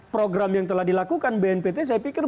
program yang telah dilakukan bnpt saya pikir